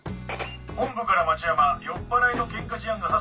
本部から町山酔っぱらいのケンカ事案が発生。